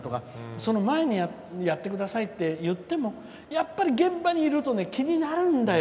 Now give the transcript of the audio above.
その前にやってくださいって言ってもやっぱり現場にいると気になるんだよ。